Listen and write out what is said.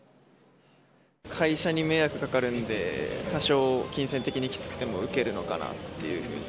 会社に迷惑かかるんで、多少金銭的にきつくても受けるのかなっていうふうに。